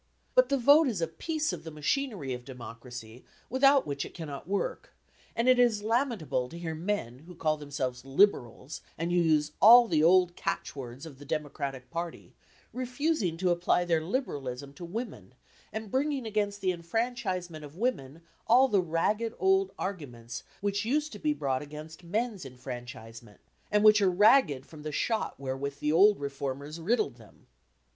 But the vote is a piece of the machinery of democracy without which it cannot work, and it is lamentable to hear men who call themselves Liberals, and who use all the old catchwords of the democratic party, refusing to apply their Liberalism to women and bringing against the enfranchisement of women all the ragged old arguments which used to be brought against men's enfranchisement and which are ragged from the shot wherewith the old reformers riddled them.